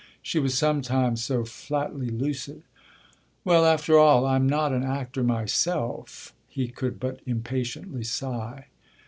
She was sometimes so flatly lucid. "Well, after all, I'm not an actor myself," he could but impatiently sigh.